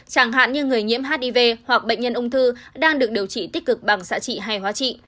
chẳng hạn như người nhiễm hiv hoặc bệnh nhân ung thư đang được điều trị tích cực bằng xã trị hay hóa trị